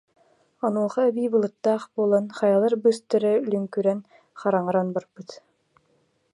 Онуоха эбии, былыттаах буолан, хайалар быыстара лүҥкүрэн, хараҥаран барбыт